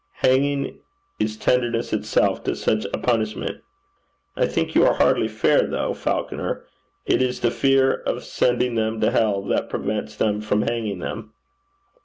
Hanging is tenderness itself to such a punishment.' 'I think you are hardly fair, though, Falconer. It is the fear of sending them to hell that prevents them from hanging them.'